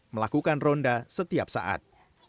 melakukan ronda setiap saat